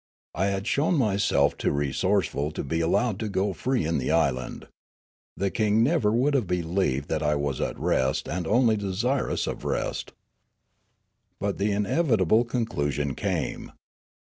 I had shown myself too resourceful to be allowed to go free in the island. The king never would have believed that I was at rest and only desirous of rest. " But the inevitable conclusion came.